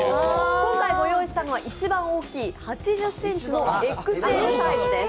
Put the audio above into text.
今回ご用意したのは一番大きい８０ｃｍのＸＬサイズです。